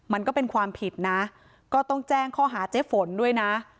มันก็เป็นความผิดนะก็ต้องแจ้งข้อหาเจ๊ฝนด้วยนะ